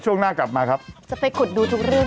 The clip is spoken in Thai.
เป็นการกระตุ้นการไหลเวียนของเลือด